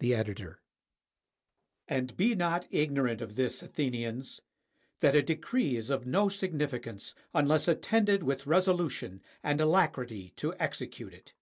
The Editor] And be not ignorant of this, Athenians, that a decree is of no significance unless attended with resolution and alacrity to execute it.